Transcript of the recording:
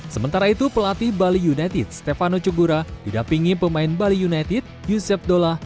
sementara itu pelatih bali united stefano cugura didapingi pemain bali united yusef dolla